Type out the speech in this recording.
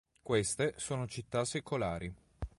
Queste sono città secolari.